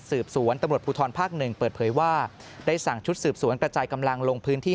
สืบสวนตำรวจภูทรภาคหนึ่งเปิดเผยว่าได้สั่งชุดสืบสวนกระจายกำลังลงพื้นที่